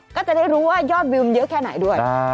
ก็จะได้รู้ว่ายอดวิวมันเยอะแค่ไหนด้วย